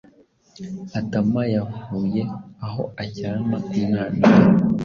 adama yavuye aho ajyana umwana we,